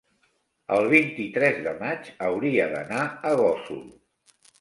el vint-i-tres de maig hauria d'anar a Gósol.